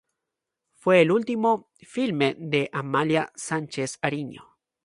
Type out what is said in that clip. Fue el último filme de Amalia Sánchez Ariño.